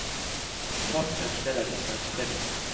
Thorsten kann schneller tippen als sprechen.